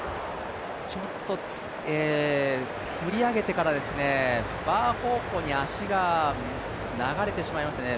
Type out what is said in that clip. ちょっと振り上げてからバー方向に足が流れてしまいましたね。